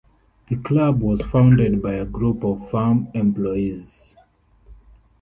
The club was founded by a group of farm employees.